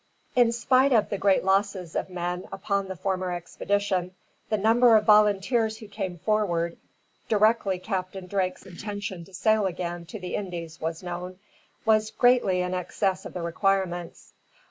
In spite of the great losses of men upon the former expedition, the number of volunteers who came forward, directly Captain Drake's intention to sail again to the Indies was known, was greatly in excess of the requirements.